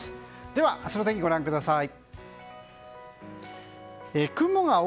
では明日の天気、ご覧ください。